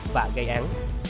và gây án